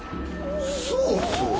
そうそう。